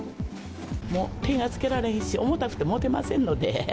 もう手が付けられんし、重たくて持てませんので。